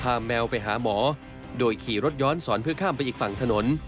แมวไปหาหมอโดยขี่รถย้อนสอนเพื่อข้ามไปอีกฝั่งถนน